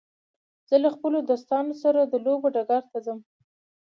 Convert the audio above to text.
زه له خپلو دوستانو سره د لوبو ډګر ته ځم.